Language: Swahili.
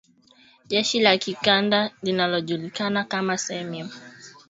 Jeshi la kikanda linalojulikana kama SAMIM